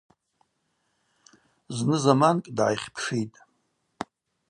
Зны-заманкӏ дгӏайхьпшитӏ.